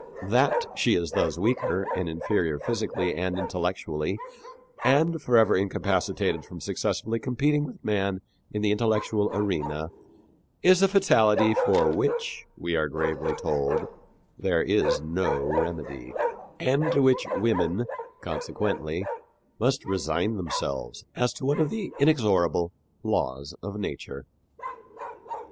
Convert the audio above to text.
That she is thus weaker and inferior physically and intellectually and forever incapacitated from successfully competing with man in the intellectual arena is a fatality for which, we are gravely told, there is no remedy, and to which women, consequently, must resign themselves as to one of the inexorable laws of nature."